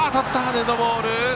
デッドボール。